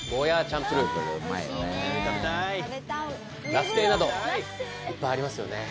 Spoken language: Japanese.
ラフテーなどいっぱいありますよね。